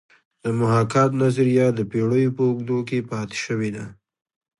د محاکات نظریه د پیړیو په اوږدو کې پاتې شوې ده